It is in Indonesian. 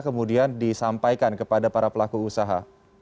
kemudian disampaikan kepada para pelaku usaha